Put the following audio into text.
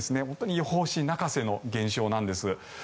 本当に予報士泣かせの現象なんです。